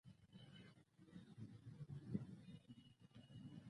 استاد د ذهن خلاصولو مهارت لري.